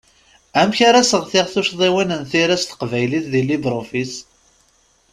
Amek ara seɣtiɣ tuccḍiwin n tira s teqbaylit di LibreOffice?